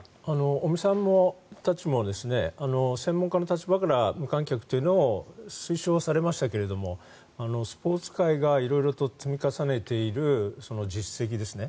尾身さんたちも専門家の立場から無観客というのを推奨されましたけれどもスポーツ界が色々と積み重ねている実績ですね。